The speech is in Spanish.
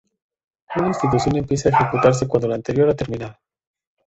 Una instrucción empieza a ejecutarse cuando la anterior ha terminado.